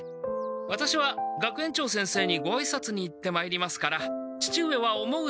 ワタシは学園長先生にごあいさつに行ってまいりますから父上は思う